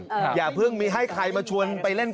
เอออย่าเพิ่งมีให้ใครมาชวนไปเป็นการ